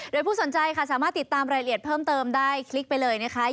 โดยผู้สนใจค่ะสามารถติดตามรายละเอียดเพิ่มเติมได้คลิกไปเลยนะคะ